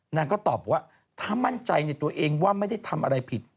นางก็ตอบว่าถ้ามั่นใจในตัวเองว่าไม่ได้ทำอะไรผิด